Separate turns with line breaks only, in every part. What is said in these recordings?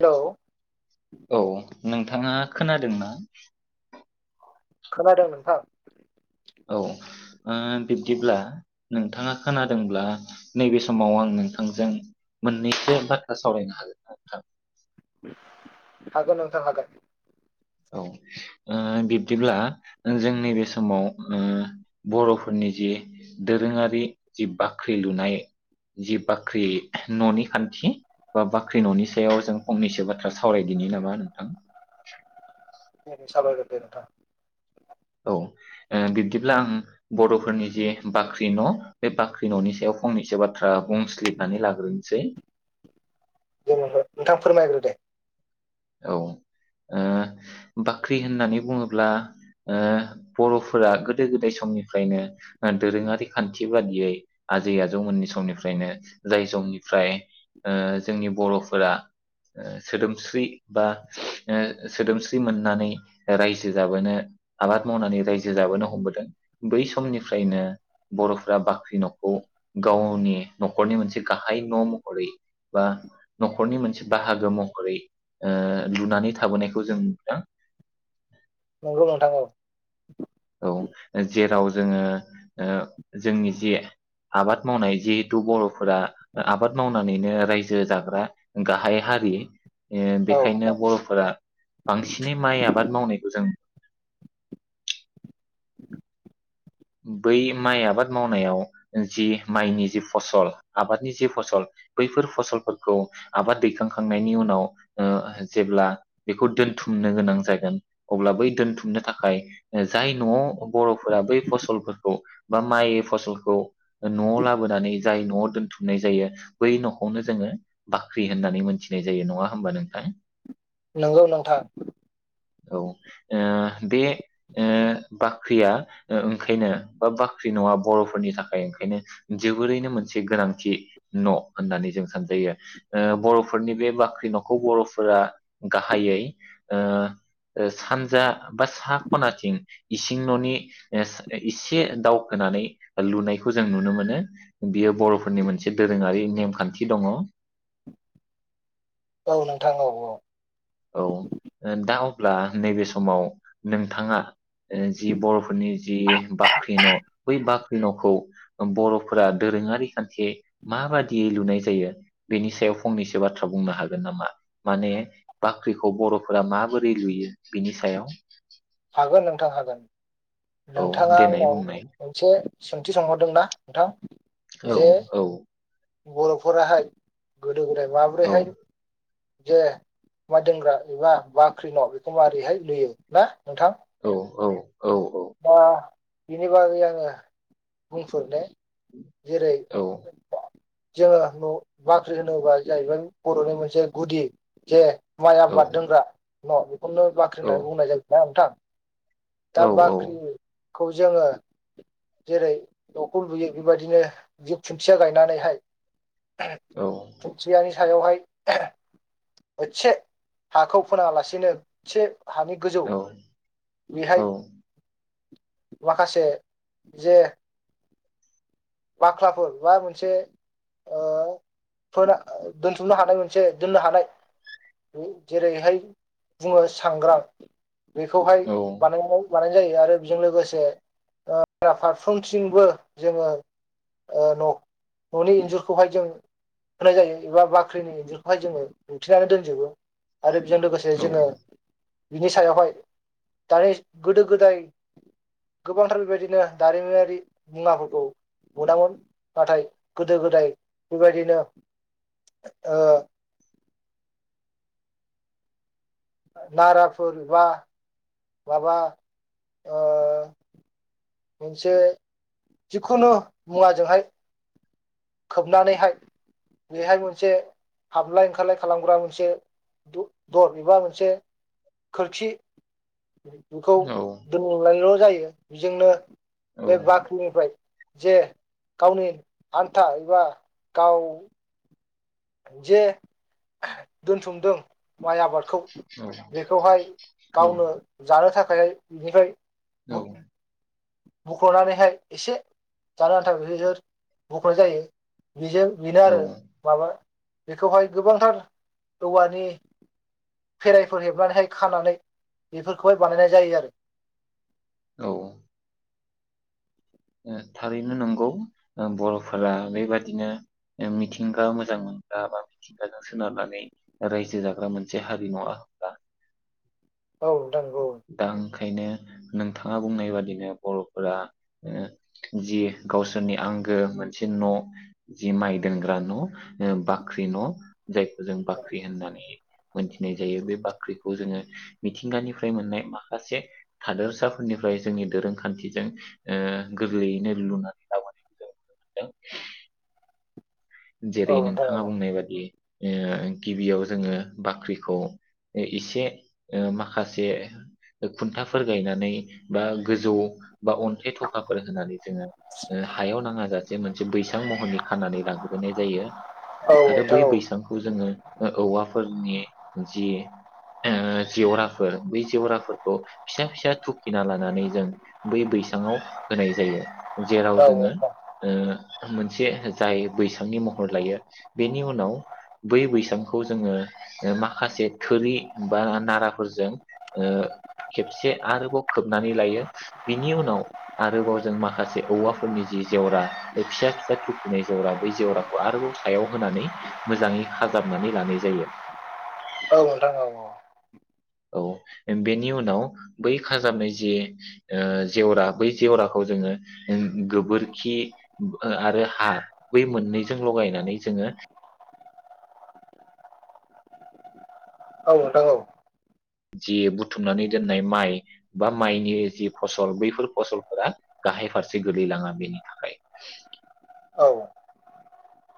Hello
औ नोंथांङा खोनादोंना?
खोनादों नोंथां।
औ ओ बिब्दिब्ला नोंथांङा खोनादोंब्ला नैबे समाव आं नोंथांजों मोननैसो बाथ्रा सावरायनो हागोना नोंथां।
हागोन नोंथां हागोन ।
औ ओ बिब्दिब्ला जों नैबे समाव ओ बर'फोरनि जि दोरोंङारि जि बाख्रि लुनाय जि बाख्रि न'नि खान्थि बा बाख्रि न'नि सायाव जों फंनैसो बाथ्रा सावरायदिनि नामा नोंथां।
ओम साबायखर दे नोंथां।
औ ओ बिब्दिब्ला आं बड'फोरनि जि बाख्रि न' बे बाख्रि न'नि सायाव फंनैसो बाथ्रा बुंसलिदनानै लाग्रोनोसै।
दे नोंथां नोंथां फोरमायग्रो दे।
औ ओ बाख्रि होननानै बुंङोब्ला ओ बर'फोरा गोदो गोदाय समनिफ्रायनो दोरोंङारि खान्थि बादियै आजै आजौमोननि समनिफ्रायनो जाय जमनिफ्राय ओ जोंनि बर'फोरा ओ सोदोमस्रि बा सोदोमस्रि मोननानै रायजो जाबोनो आबाद मावनानै रायजो जाबोनो हमबोदों। बै समनिफ्रायनो बर'फ्रा बाख्रि न'खौ गावनि नखरनि मोनसे गाहाय न' महरै बा नखरनि मोनसे बाहागो महरै ओ लुनानै थाबोनायखौ जों नुदों।
नंगौ नोंथां औ
औ जेराव जोंङो ओ जोंनि जि आबाद मावनाय जिहेथु बर'फोरा आबाद मावनानैनो रायजो जाग्रा गाहाय हारि। ए
औ
बेखायनो
औ
बर'फोरा बांसिनै माइ आबाद मावनायखौ जों बै माइ आबाद मावनायाव जि माइनि जि फसल आबादनि जि फसल बैफोर फसलफोरखौ आबाद दैखांखांनायनि उनाव ओ जेब्ला बेखौ दोनथुमनो गोनां जागोन अब्ला बै दोनथुमनो थाखाय जाय न'आव बर'फोरा बै फसल सलफोरखौ बा माइ फसलखौ न'आव लाबोनानै जाय न'आव दोनथुमनाय जायो। बै न'खौनो जोंङो बाख्रि होननानै मोनथिनाय जायो। नङा होमबा नोंथां?
नंगौ नोंथां।
औ ओ बे ओ बाख्रिया ओ ओंखायनो बा बाख्रि न'आ बर'फोरनि थाखाय ओंखायनो जोबोरैनो मोनसे गोनांथि न' होननानै जों सानजायो। ओ बर'फोरनि बे बाख्रि न'खौ बर'फोरा गाहायै ओ सानजा बा सा खनाथिं इसिं न'नि ओ एसे दावखोनानै लुनायखौ जों नुनो मोनो बियो बर'फोरनि मोनसे दोरोंङारि नेमखान्थि दंङ।
औ नोंथां औ औ
औ ओ दा अब्ला नैबे समाव नोंथांङा ओ जि बर'फोरनि जि बाख्रि न' बै बाख्रि न'खौ बर'फोरा दोरोंङारि खान्थि माबादियै लुनाय जायो बेनि सायाव फंनैसो बाथ्रा बुंनो हागोन नामा? माने बाख्रिखौ बर'फोरा माबोरै लुयो बिनि सायाव
हागोन नोंथां हागोन।
औ
नोंथाङा
देनाय
आंनाव
बुंनाय
मोनसे सोंथि सोंहरदोंना नोंथां?
औ
जे
औ
बर'फोराहाय गोद दो गोदाय
औ
माबोरैहाइ जे माइ दोनग्रा एबा बाख्रि न' बेखौ मारैहाय लुयो ना नोंथां?
औ औ औ
दा बिनि बागै आंङो बुंफोर' नाय जेरै
औ
जोंङो न'बाख्रि होनोबा जाहैबाय बर'नि मोनसे गुदि जे माइ
औ
आबाद दोनग्रा न' खनो बाख्रि होननानै बुंनाय जायो ना नोंथां ।
औ औ
खौ जोङो जेरै न'खौ लुयो बेबायदिनो जिब खुन्थिया गायनानैहाय
औ
खुनथियानि सायावहाय एसे हाखौ फोना लासेनो एसे हानि गोजौ
औ औ
बेहाय माखासे जे बाख्लाफोर बा मोनसे ओ फोना दोनथुमनो हानाय मोनसे दोननो हानाय जेरैहाय बुङो सांग्रां
औ
बेखौहाय बानायनाय लानाय जायो आरो बेजों लोगोसे ओ फारफ्रोमथिंबो जोङो ओ न'नि इन्जुरखौहाय जों होनाय जायो एबा बाख्रिनि इन्जुरखौहाय जोङो दिन्थिनानै दोनजोबो आरो बेजों लोगोसे जोङो बिनि सायावहाय दानि गोदो-गोदाय गोबांथार बेबायदिनो दारिमिनारि मुवाफोरखौ मोनामोन नाथाय गोदो-गोदाय बेबायदिनो ओ नारा फोर बा बाबा ओ मोनसे जिखुनु मुवाजोंहाय खोबनानैहाय बेहाय मोनसे हाबलाय ओंखारलाय खालामग्रा मोनसे द-दर एबा मोनसे खोरखि बे-बेखौ दोनायल जायो। बेजोंनो
औ
बे बाख्रिनि बाय जे गावनि थाबा गाव जे दोनथुमदों माइ आबादखौ बेखौहाय
औ
गावनो जानो थाखा फाय बिनफाय
औ
[inaudible] बुख्लनानैहाय एसे जानो आन्थाव बिसोर बुखनाय जायो। बिजों बेनो
औ
आरो माबा बेखौहाय गोबांथार औवानि फेराइफोर हेबनानैहाय खानानै बेफोरखौहाय बानायनाय जायो आरो
औ ओ थारैनो नंगौ बर'फोरा बेबादिनो मिथिंगा मोजां मोनग्रा बा मिथिंगाजों सोनारनानै रायजो जाग्रा मोनसे हारि नङा होनब्ला
औ नंगौ
दा ओंखायनो नोंथाङा बुंनाय बादिनो बर'फोरा जि गावसोरनि आंगो मोनसे न जि माइ दोनग्रा न ओ बाख्रि न जायखौ जों बाख्रि होननानै मोनथिनाय जायो बे बाख्रिखौ जोङो मिथिंगानिफ्राय मोननाय माखासे थादोरसाफोरनिफ्राय जोंनि दोरोंखान्थिजों ओ गोरलैयैनो लुनानै लाबोनायखौ जों नुनो मोनदों।
औ
जेरै
नोंथां
नोंथाङा
औ
बुंनाय बादि ए गिबियाव जोङो बाख्रिखौ एसे माखासे खुन्थाफोर गायनानै बा गोजौ बा अन्थाइ थफाफोर होनानै जोङो हायाव नाङाजासे मोनसे बैसां महरनि खानानै लागो गोनाय जायो
औ
आरो
नोंथां
बै
औ
बैसांखौ जोङो ओ औवाफोरनि जि ओ जेवराफोर बै जेवराफोरखौ फिसा फिसा थुखिना लानानै जों बै बैसाङाव होनाय जायो जेराव
औ
जोङो
नोंथां
ओ मोनसे जायो बैसांनि महर लायो बेनि उनाव बै बैसांखौ जोङो माखासे थोरि बा नाराफोरजों ओ खेबसे आरोबाव खोबनानै लायो बिनि उनाव आरोबाव जों माखासे औवाफोरनि जि जेवरा फिसा फिसा थुखिनाय जेवरा बै जेवराखौ आरोबाव सायाव होनानै मोजाङै खाजाबनानै लानाय जायो
औ नोंथां औ औ
औ बेनि उनाव बै खाजाबनाय जि ओ जेवरा बै जेवराखौ जोङो गोबोरखि ओ आरो हा बै मोननैजों लगायनानै जोङो
औ ओनथां औ
जि बुथुमनानै दोननाय माइ बा माइनि जि फसल बैफोर फसलफोरा गाहाय फारसे गोलैलाङा बेनि थाखाय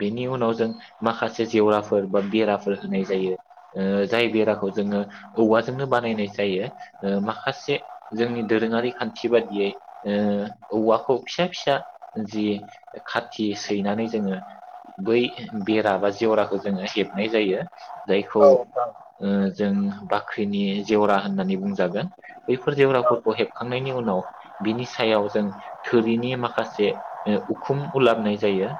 बेनि उनाव जों माखासे जेवराफोर बा बेराफोर होनाय ओ जायो जाय बेराखौ जोङो औवाजोंनो बानायनाय जायो ओ माखासे जोंनि दोरोङारि खान्थि बाददियै ओ औवाखौ फिसा फिसा जि खाथि सैनानै जोङो बै बेरा बा जेवराखौ जोङो हेबनाय जायो जायखौ
औ नोंथां
ओ जों बाख्रिनि जेवरा होननानै बुंजागोन बैफोर जेवराफोरखौ हेबखांनायनि उनाव बिनि सायाव जों थोरिनि माखासे उखुम उलाबनाय जायो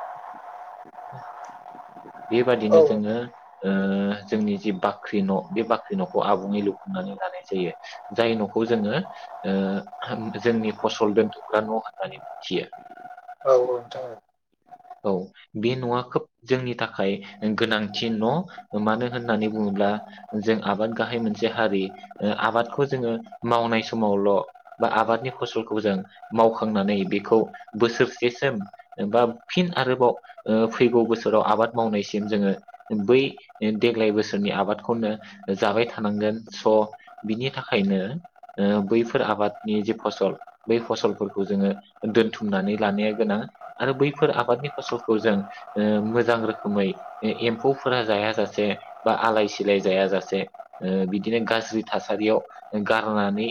औ
बेबादिनो
नोंथां औ
जोङो ओ जोंनि जि बाख्रि न बे बाख्रि न'खौ आबुङै लुफुंनानै लानाय जायो जाय न'खौ जोङो ओ जोंनि फसल दोनथ'ग्रा न' होननानै मिथियो
औ औथां औ
औ बे न'आ खोब जोंनि थाखाय गोनांथि न मानो होननानै बुङोब्ला जों आबाद गाहाय मोनसे हारि आबादखौ जोङो मावनाय समावल' बा आबादनि फसलखौ जों मावखांनानै बेखौ बोसोरसेसोम बा फिन आरोबाव ओ फैगौ बोसोराव आबाद मावनायसिम जोङो बै देग्लाय बोसोरनि आबादखौनो जाबाय थानांगोन स बिनि थाखायनो ओ बैफोर आबादनि जे फसल बै फसलफोरखौ जोङो दोनथुमनानै लानाया गोनां आरो बैफोर आबादनि फसल खौ जों ओ मोजां रोखोमै ए-एम्फौफोरा जायाजासे बा आलाय सिलाय जायाजासे ओ बिदिनो गाज्रि थासारियाव गारनानै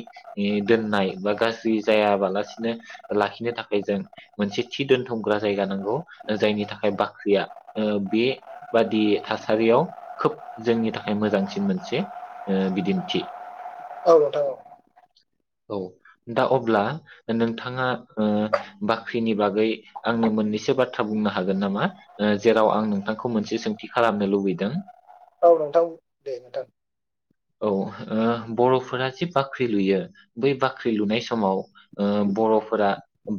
दोननाय बा गाज्रि जायाबालासिनो लाखिनो थाखाय जों मोनसे थि दोनथुमग्रा जायगा नांगौ जायनि थाखाय बाख्रिया ओ बेबादि थासारियाव खोब जोंनि थाखाय मोजांसिन मोनसे ओ बिदिन्थि
औ नोंथां औ
औ दा अब्ला नोंथाङा ओ बाख्रिनि बागै आंनो मोननैसो बाथ बुंनो हागोन नामा? ओ जेराव आं नोंथांखौ मोनसे सोंथि खालामनो लुबैदों
औ नोंथां दे नोंथां
औ ओ बर'फोरा जि बाख्रि लुयो बै बाख्रि लुनाय समाव ओ बरफोरा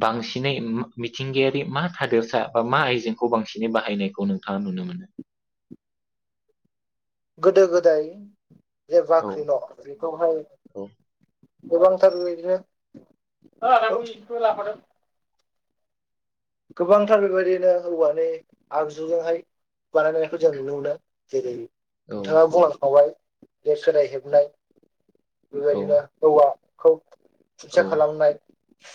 बांसिनै मि-मिथिंगायारि मा थादेरसा मा आइजेंखौ बांसिनै बाहायनायखौ नोंथाङा नुनो मोनो
गोदो गोदाय जे
औ
बाख्रि न' बेखौहाय
औ
गोबांथार [unintelligible] गोबांथार बेबायदिनो हौवानि आगजुजोंहाय बानायनायखौ जों नुनो मोनो जेरै
औ
नोंथाङा बुंलांखाबाय जे सोलाय हेबनाय बेबायदिनो
औ
औवा खौ खुनथिया खालामनाय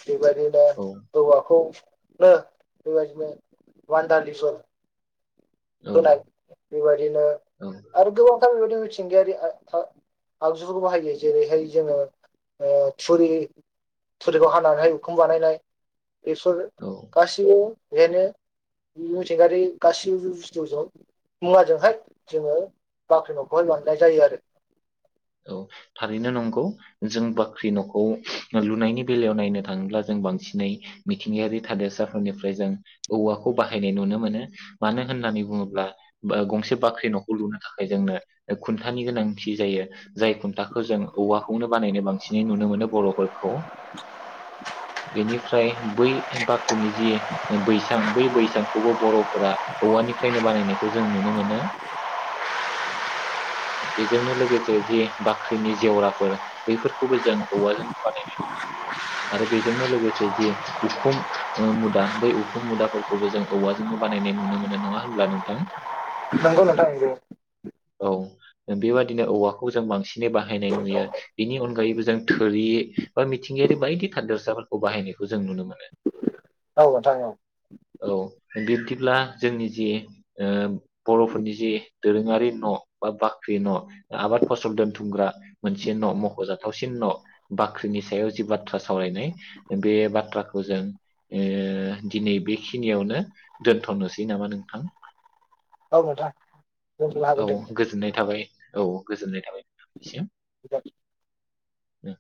बेबादिबा
औ
औवाखौ [unintelligible] [unintelligible]
औ
होनाय बेबायदिनो
औ
आरो गोबांथार बे थिंगायारि आ फा आगजुफोरखौ बाहायो जेरैहाय जोङो ओ थुरि थुरिखौ हानानै उखुम बानायनाय बेसर
औ
गासिबो बेखायनो मिथिंगारि गाससिबो बुस थुजों मुवाजोंहाय जोङो बाख्रि न'खौहाय बानायनाय जायो आरो
औ थारैनो नंगौ जों बाख्रि न'खौ लुनायनि बेलायाव नायनो थाङोब्ला जों बांसिनै मिथिंगायारि थादेरसाफोरनिफ्राय जों औवाखौ बाहायनाय नुनो मोनो। मानो होननानै बुङोब्ला बा गंसे बाख्रि नखौ लुनो थाखाय जोंनो ओ खुन्थानि गोनांथि जायो। जाय खुन्थाखौ जों औवाखौनो बानायनो बांसिनै नुनो मोनो बरफोरखौ बेनिफ्राय बै बाख्रिनि जि बैसां बै बैसांखौबो बरफोरा औवानिफ्रायनो बानायनायखौ जों नुनो मोनो बेजोंनो लोगोसे जि बाख्रिनि जेवराफोर बैफोरखौबो जों औवाजों बानायनाय नुनो मोनो आरो बेजोंनो लोगोसे जि उखुम ओम मुदा बै उखुम मुदाफोरखौबो जों औवाजोंनो बानायनाय नुनो मोनो नङा होनब्ला नोंथां?
नंगौ नोथां नंगौ।
औ बेबादिनो औवाखौ जों बां सिनै बाहायनाय नुयो बेनि अनगायैबो जों थोरि बा मिथिंगायारि बायदि थादोरसाफोरखौ बाहायनायखौ जों नुनो मोनो।
औ नोंथां औ।
औ बिब्दिब्ला जोंनि जि ओ बर'फोरनि जि दोरोङारि न' बा बाख्रि न' आबाद फसल दोनथु बुंग्रा मोनसे न' मख जाथावसिन न' बाख्रिनि सायाव जि बाथ्रा सावरायनाय बे बाथ्राखौ जों ओ दिनै बेखिनियावनो दोनथनोसै नामा नोंथां?
औ नोंथां दोनथ'नो
औ
हागोन दे
गोजोननाय थाबाय। औ गोजोननाय थाबाय नोंथांनिसिम उम।